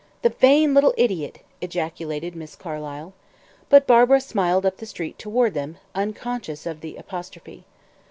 "The vain little idiot!" ejaculated Miss Carlyle. But Barbara smiled up the street toward them, unconscious of the apostrophe.